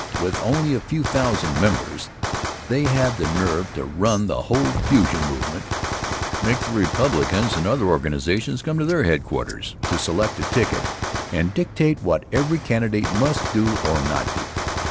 With only a few thousand members, they had the nerve to run the whole Fusion movement, make the Republicans and other organizations come to their headquarters to select a ticket and dictate what every candidate must do or not do.